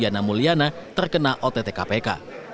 yana mulyana terkena ott kpk